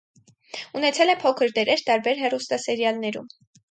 Ունեցել է փոքր դերեր տարբեր հեռուսատասերիալներում։